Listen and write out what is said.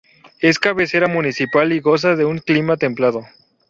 Es cabecera municipal y goza de un clima templado.